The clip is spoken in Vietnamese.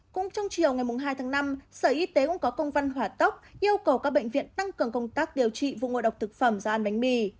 cũng trong chiều ngày hai tháng năm sở y tế cũng có công văn hỏa tốc yêu cầu các bệnh viện tăng cường công tác điều trị vụ ngộ độc thực phẩm do ăn bánh mì